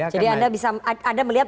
jadi anda bisa anda melihat